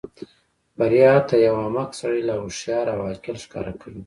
بریا حتی یو احمق سړی لا هوښیار او عاقل ښکاره کوي.